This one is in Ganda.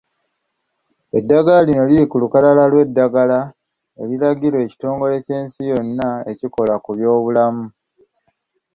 Eddagala lino liri ku lukalala lw'eddagala eriwagirwa Ekitongole ky'Ensi yonna ekikola ku byobulamu